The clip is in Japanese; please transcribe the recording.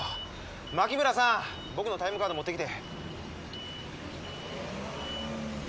槙村さん僕のタイムカード持ってきて。